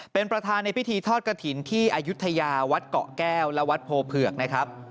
เป็นประธานในพิธีทอดกระถิ่นที่อายุทยาวัดเกาะแก้วและวัดโพเผือกนะครับ